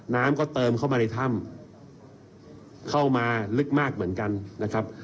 น้ำก็เติมเข้ามาในถ้ำเข้ามาลึกมากเหมือนกันนะครับ